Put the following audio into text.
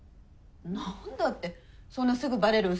何だってそんなすぐバレるウソつくの？